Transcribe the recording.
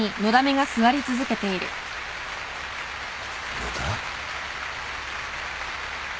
野田？